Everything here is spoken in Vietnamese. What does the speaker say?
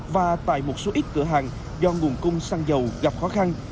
và tại một số ít cửa hàng do nguồn cung xăng dầu gặp khó khăn